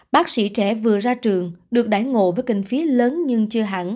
bác sĩ trẻ vừa ra trường được đại ngộ với kinh phí lớn nhưng chưa hẳn